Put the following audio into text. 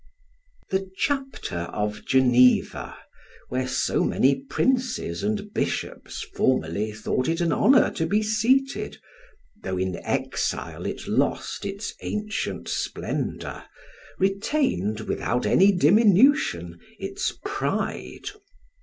The Chapter of Geneva, where so many princes and bishops formerly thought it an honor to be seated, though in exile it lost its ancient splendor, retained (without any diminution) its pride.